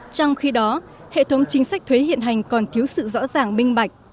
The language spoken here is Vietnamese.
trong khi đó hệ thống chính sách thuế hiện hành còn thiếu sự rõ ràng minh bạch